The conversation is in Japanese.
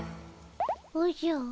おじゃ。